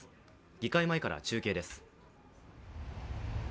議会前から中継です。